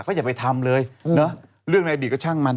ก็อย่าไปทำเลยเนอะเรื่องในอดีตก็ช่างมัน